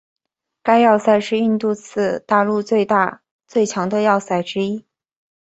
该要塞是印度次大陆最大最强的要塞之一。